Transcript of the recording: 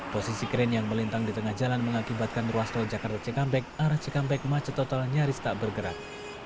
posisi kren yang melintang di tengah jalan mengakibatkan ruas tol jakarta cikampek arah cikampek macet total nyaris tak bergerak